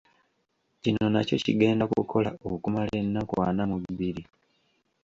Kino nakyo kigenda kukola okumala ennaku ana mu bbiri.